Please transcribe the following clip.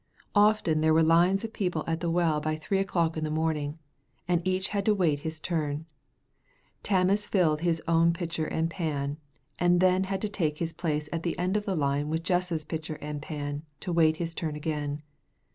Often there were lines of people at the well by three o'clock in the morning, and each had to wait his turn. Tammas filled his own pitcher and pan, and then had to take his place at the end of the line with Jess's pitcher and pan, to wait his turn again.